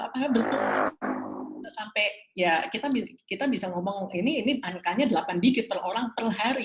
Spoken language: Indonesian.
apakah betul sampai ya kita bisa ngomong ini ini angkanya delapan digit per orang per hari